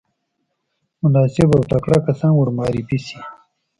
مناسب او تکړه کسان ورمعرفي شي.